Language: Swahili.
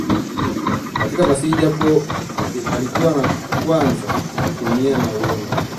katika fasihi japo alikuwa wa kwanza kuitumia na huenda